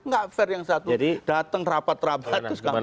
gak fair yang satu datang rapat rapat